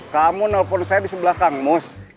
kamu telpon saya di sebelah kang mus